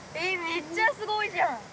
めっちゃすごいじゃん！